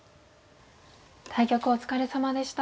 対局お疲れさまでした。